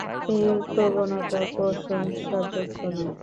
এই প্রবণতা প্রশংসাযোগ্য নয়।